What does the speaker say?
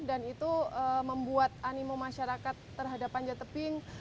dan itu membuat animo masyarakat terhadap panjat tebing